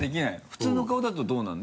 普通の顔だとどうなるの？